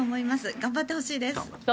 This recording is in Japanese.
頑張ってほしいです。